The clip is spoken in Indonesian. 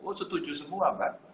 oh setuju semua pak